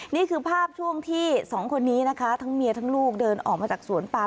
นี่คือภาพช่วงที่สองคนนี้นะคะทั้งเมียทั้งลูกเดินออกมาจากสวนปาม